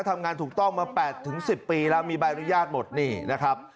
ทำงานถูกต้องมา๘๑๐ปีแล้วมีใบอนุญาตหมดนี่นะครับ